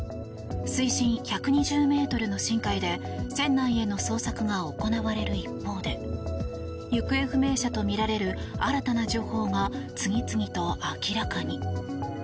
水深１２０ｍの深海で船内への捜索が行われる一方で行方不明者とみられる新たな情報が次々と明らかに。